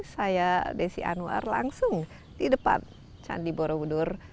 saya desi anwar langsung di depan candi borobudur